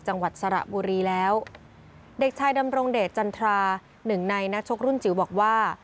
จังหวัดสระบุรีแล้วเด็กชายดำรงเดชจันทราหนึ่งในนักชกรุ่นจิ๋วบอกว่า